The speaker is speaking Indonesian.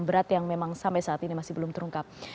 berat yang memang sampai saat ini masih belum terungkap